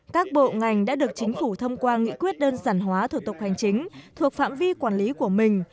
các bộ ngành đã được chính phủ thông qua nghị quyết đơn giản hóa thủ tục hành chính thuộc phạm vi quản lý của mình